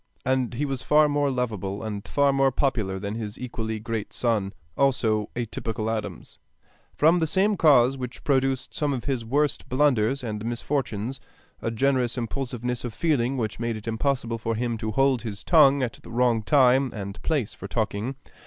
And he was far more lovable and far more popular than his equally great son, also a typical Adams, from the same cause which produced some of his worst blunders and misfortunes, a generous impulsiveness of feeling which made it impossible for him to hold his tongue at the wrong time and place for talking.